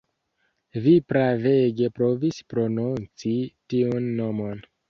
Vi bravege provis prononci tiun nomon